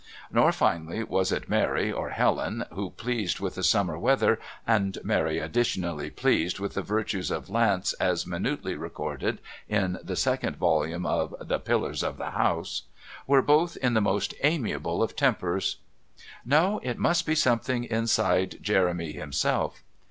Nor, finally, was it Mary or Helen, who, pleased with the summer weather (and Mary additionally pleased with the virtues of Lance as minutely recorded in the second volume of "The Pillars of the House"), were both in the most amiable of tempers. No, it must be something inside Jeremy himself.